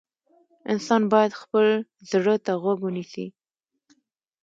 انسان باید خپل زړه ته غوږ ونیسي.